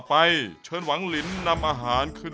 ซุปไก่เมื่อผ่านการต้มก็จะเข้มขึ้น